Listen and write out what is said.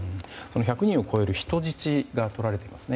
１００人を超える人質がとられていますね